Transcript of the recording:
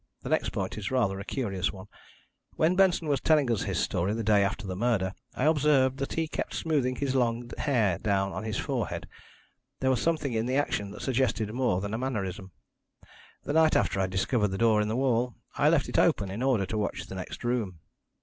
The next point is rather a curious one. When Benson was telling us his story the day after the murder I observed that he kept smoothing his long hair down on his forehead. There was something in the action that suggested more than a mannerism. The night after I discovered the door in the wall, I left it open in order to watch the next room.